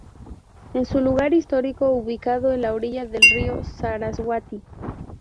Es un lugar histórico ubicado en la orilla del río Saraswati.